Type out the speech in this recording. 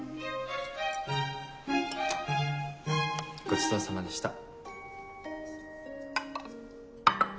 ごちそうさまでした。